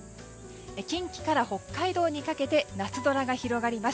近畿から北海道にかけて夏空が広がります。